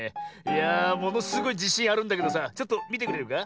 いやあものすごいじしんあるんだけどさちょっとみてくれるか？